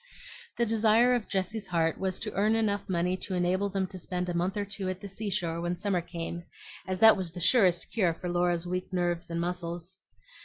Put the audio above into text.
The desire of Jessie's heart was to earn eneugh money to enable them to spend a month or two at the seashore when summer came, as that was the surest cure for Laura's weak nerves and muscles.